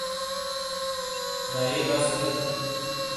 تَرَائیی بَس تھے۔